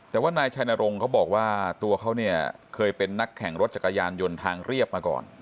แต่ว่านายชัยนรงค์เขาบอกว่าตัวเขาเนี่ยเคยเป็นนักแข่งรถจักรยานยนต์ทางเรียบมาก่อน